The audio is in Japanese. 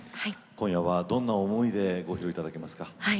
今夜はどんな思いでご披露いただけますか？